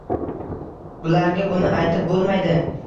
Bularga buni aytib bo‘lmaydi.